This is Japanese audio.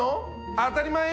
当たり前よ。